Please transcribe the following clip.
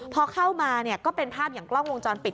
พอเข้ามาก็เป็นภาพอย่างกล้องวงจรปิด